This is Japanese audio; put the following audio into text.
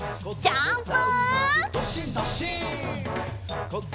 ジャンプ！